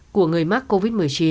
của người mắc covid một mươi chín